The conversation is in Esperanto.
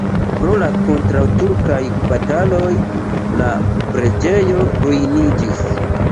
Pro la kontraŭturkaj bataloj la preĝejo ruiniĝis.